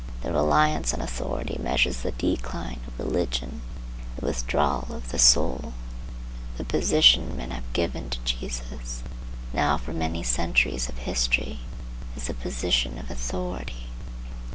The reliance on authority measures the decline of religion, the withdrawal of the soul. The position men have given to Jesus, now for many centuries of history, is a position of authority.